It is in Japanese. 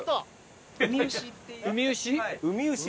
ウミウシ？